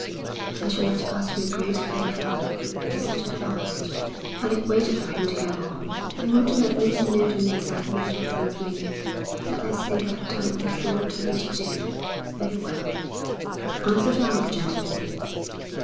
'I should like to ask you a great favour,' he said at last. Alec waited for him to go on. 'You won't let Lucy know the mess I've made of things, will you? Let her think I've done all she wanted me to do.' 'Very well,' answered Alec gently.